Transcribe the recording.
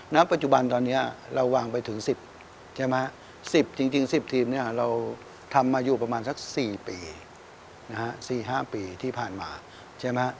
นับปัจจุบันตอนนี้เราวางไปถึง๑๐จริง๑๐ทีมเราทำมาอยู่ประมาณสัก๔๕ปีที่ผ่านมา